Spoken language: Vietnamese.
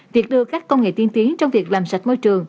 việc đưa các công nghệ tiên tiến trong việc làm sạch môi trường